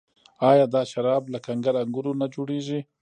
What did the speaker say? آیا دا شراب له کنګل انګورو نه جوړیږي؟